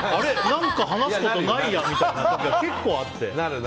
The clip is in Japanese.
何か話すことないやみたいな時が結構あって。